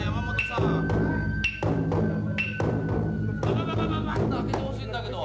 ババババババッと開けてほしいんだけど。